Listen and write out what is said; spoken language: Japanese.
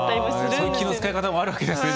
そういう気の使い方もあるわけですね。